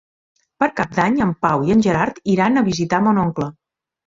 Per Cap d'Any en Pau i en Gerard iran a visitar mon oncle.